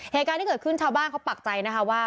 เหตุการณ์ที่เกิดขึ้นชาวบ้านเขาปักใจนะคะว่า